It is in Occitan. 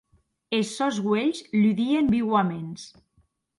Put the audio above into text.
Es sòns uelhs ludien viuaments.